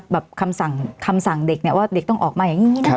แบบคำสั่งเด็กว่าเด็กต้องออกมาอย่างนี้นะ